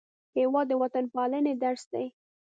هېواد د وطنپالنې درس دی.